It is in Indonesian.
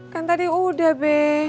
kan tadi udah be